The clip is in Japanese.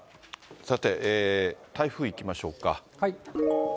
さて、台風いきましょうか。